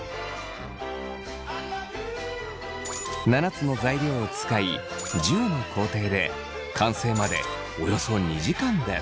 ７つの材料を使い１０の工程で完成までおよそ２時間です。